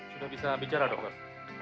sudah bisa bicara dokter